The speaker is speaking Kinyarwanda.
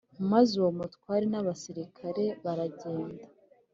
Maze uwo mutware n abasirikare baragenda.